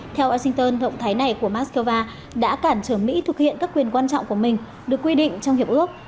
theo washington động thái này của moscow đã cản trở mỹ thực hiện các quyền quan trọng của mình được quy định trong hiệp ước